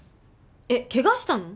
えっケガしたの？